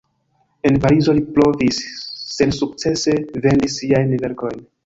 En Parizo li provis sensukcese vendis siajn verkojn.